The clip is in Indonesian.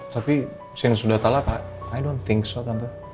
tapi since udah salah i don't think so tante